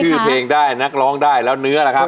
ชื่อเพลงได้นักร้องได้แล้วเนื้อล่ะครับ